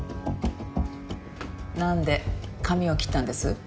なんで髪を切ったんです？